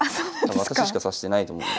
私しか指してないと思うので。